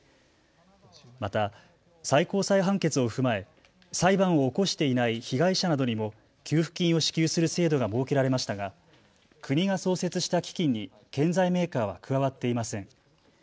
また最高裁判決を踏まえ裁判を起こしていない被害者などにも給付金を支給する制度が設けられましたが、国が創設した基金に建材メーカーは加わっていません。